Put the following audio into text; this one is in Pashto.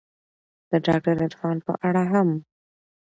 د داکتر عرفان په اړه هم